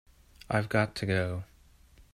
I've got to go.